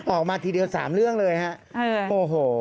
ออกมาทีเดียว๓เรื่องเลยฮะโอ้โห